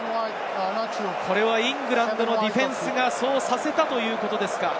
イングランドのディフェンスがそうさせたということですか？